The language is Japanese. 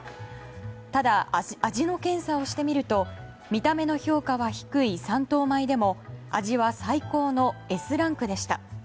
ただ、味の検査をしてみると見た目の評価は低い三等米でも味は最高のＳランクでした。